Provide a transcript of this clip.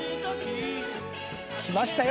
きましたよ